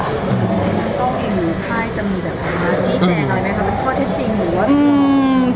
น้องต้องเห็นไข้จะมีแบบมาชี้แจงอะไรไหมคะเป็นข้อเท็จจริงหรือว่า